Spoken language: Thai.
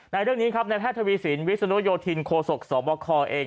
เรื่องนี้ครับในแพทย์ทวีสินวิศนุโยธินโคศกสบคเอง